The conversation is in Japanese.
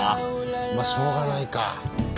まあしょうがないか。